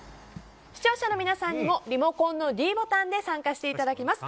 視聴者の皆さんにもリモコンのｄボタンで参加していただけます。